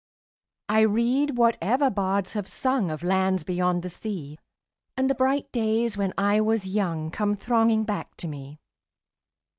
I read whatever bards have sung Of lands beyond the sea, 10 And the bright days when I was young Come thronging back to me.